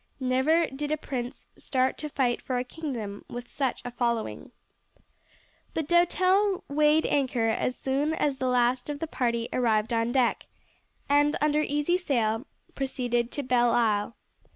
Never did a prince start to fight for a kingdom with such a following. The Doutelle weighed anchor as soon as the last of the party arrived on deck, and under easy sail proceeded to Belleisle.